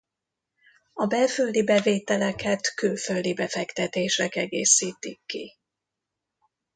A belföldi bevételeket külföldi befektetések egészítik ki.